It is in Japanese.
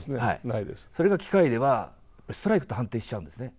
それが機械では、ストライクと判定しちゃうんですね。